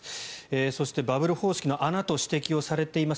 そして、バブル方式の穴と指摘をされています